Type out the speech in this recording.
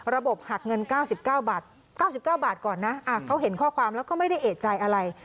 หักเงิน๙๙บาท๙๙บาทก่อนนะเขาเห็นข้อความแล้วก็ไม่ได้เอกใจอะไร